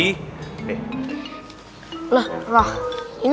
ini kertasnya kamu kasih ke pak sri kiti